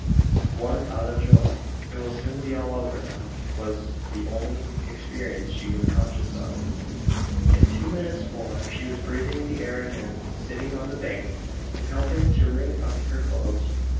One thought of joy "It will soon be all over now" was the only experience she was conscious of. In two minutes more, she was breathing the air again, sitting on the bank, and helping to wring out her clothes.